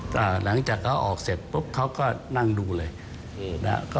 ก็หลังจากเขาออกเสร็จปุ๊บเขาก็นั่งดูเลย